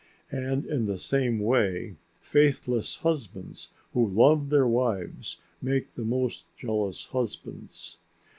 And in the same way faithless husbands who love their wives make the most jealous husbands.